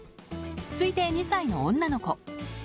推定２歳の女の子。